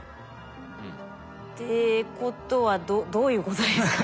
ってことはどういうことですか？